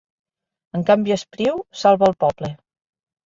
En canvi Espriu salva el poble.